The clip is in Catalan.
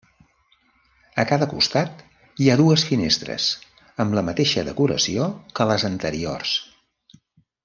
A cada costat hi ha dues finestres, amb la mateixa decoració que les anteriors.